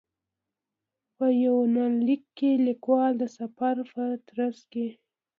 په یونلیک کې لیکوال د سفر په ترڅ کې.